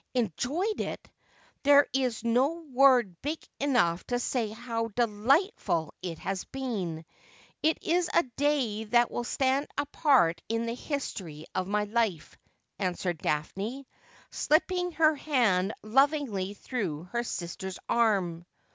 ' Enjoyed it ? There is no word big enough to say how delightful it has been ! It is a day that will stand apart in the history of my life,' answered Daphne, slipping her hand lovingly through her sister's arm.